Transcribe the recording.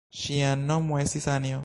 Ŝia nomo estis Anjo.